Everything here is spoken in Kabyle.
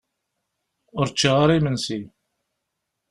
Ur ččiɣ ara imensi.